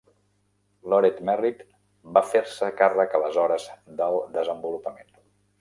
Loren Merritt va fer-se càrrec aleshores del desenvolupament.